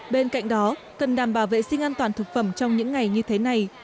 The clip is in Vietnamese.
bên cạnh đó cần đảm bảo vệ sinh an toàn thực phẩm trong những ngày như thế này